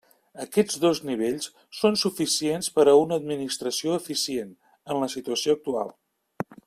Aquests dos nivells són suficients per a una administració eficient en la situació actual.